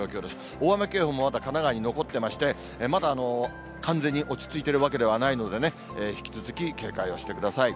大雨警報もまだ神奈川に残ってまして、まだ完全に落ち着いているわけではないので、引き続き警戒をしてください。